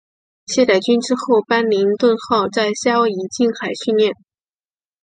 卸载军资后班宁顿号在夏威夷近海训练。